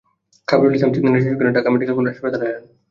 খাবিরুল ইসলাম তিন দিনের শিশুকে নিয়ে ঢাকা মেডিকেল কলেজ হাসপাতালে এলেন।